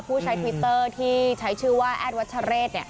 ผู้ใช้ทวิตเตอร์ที่ใช้ชื่อว่าแอดวัชเรศ